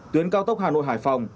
tuyến cao tốc hà nội hải phòng